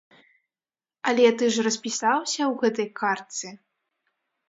Але ты ж распісаўся ў гэтай картцы!